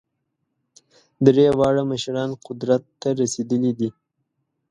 درې واړه مشران قدرت ته رسېدلي دي.